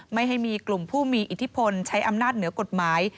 ไม่ให้มีกลุ่มผู้มีอิทธิพลใช้อำนาจเหนือกฎหมาย